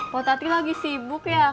potati lagi sibuk ya